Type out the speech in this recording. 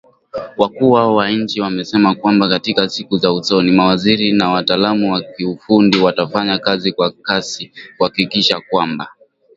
Wakuu hao wa nchi wamesema kwamba katika siku za usoni, mawaziri na wataalamu wa kiufundi watafanya kazi kwa kasi kuhakikisha kwamba.